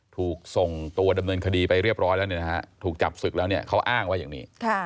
ถูกส่งตัวดำเนินคดีไปเรียบร้อยแล้วถูกจับศึกแล้วเขาอ้างว่าอย่างนี้